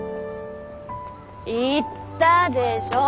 言ったでしょ？